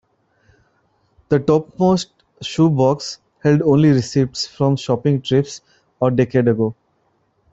The topmost shoe box held only receipts from shopping trips a decade ago.